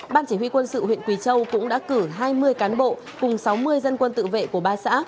ban chỉ huy quân sự huyện quỳ châu cũng đã cử hai mươi cán bộ cùng sáu mươi dân quân tự vệ của ba xã